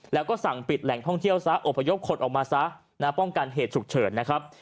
แล้วก็สั่งปิดแหล่งท่องเที่ยวซะอบพยพคนออกมาซะนะป้องกันเหตุฉุกเฉินนะครับ